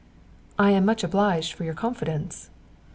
"I am much obliged for your confidence."